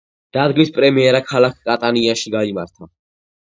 დადგმის პრემიერა ქალაქ კატანიაში გაიმართა.